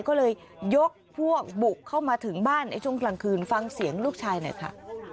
ก็เลยยกพวกบุกเข้ามาถึงบ้านในช่วงกลางคืนฟังเสียงลูกชายหน่อยค่ะ